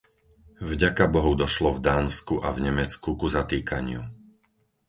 Vďakabohu došlo v Dánsku a v Nemecku ku zatýkaniu.